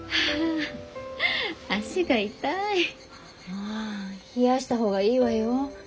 ああ冷やした方がいいわよ。